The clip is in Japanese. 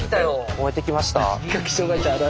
燃えてきました？